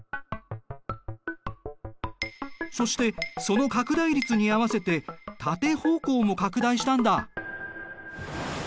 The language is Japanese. そしてその拡大率に合わせて縦方向も拡大したんだ。